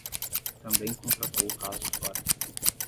Também contratou o caso fora